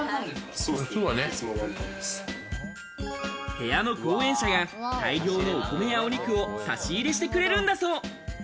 部屋の後援者が大量のお米やお肉を差し入れしてくれるんだそう。